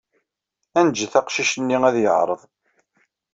Ad neǧǧet aqcic-nni ad yeɛreḍ.